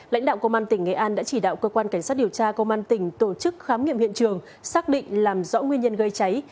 lãnh đạo công an tỉnh nghệ an đã chỉ đạo cơ quan cảnh sát điều tra công an tỉnh tổ chức khám nghiệm hiện trường xác định làm rõ nguyên nhân gây cháy